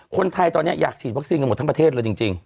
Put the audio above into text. คนไทยตอนนี้อยากฉีดวัคซีนกันหมดทั้งประเทศเลยจริง